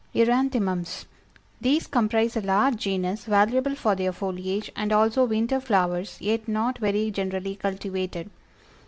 ERANTHEMUMS. These comprise a large genus valuable for their foliage and also winter flowers, yet not very generally cultivated.